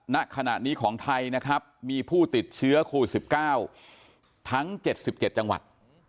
ณขณะนี้ของไทยนะครับมีผู้ติดเชื้อโควิด๑๙ทั้ง๗๗จังหวัด